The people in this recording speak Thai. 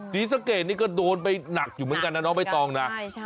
ศรีสะเกดนี่ก็โดนไปหนักอยู่เหมือนกันนะน้องใบตองนะ